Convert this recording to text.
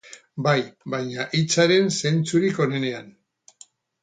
Bai, baina hitzaren zentzurik onenean.